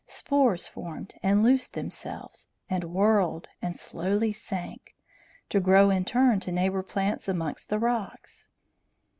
Spores formed and loosed themselves, and whirled and slowly sank, to grow in turn to neighbour plants amongst the rocks.